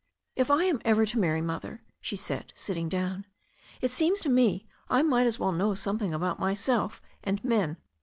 "If I am ever to marry. Mother/' she said, sitting down, "it seems to me I might as well know something about my self and men.